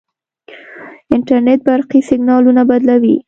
انټرنیټ برقي سیګنالونه بدلوي.